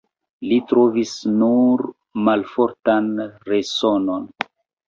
Li trovis nur malfortan resonon.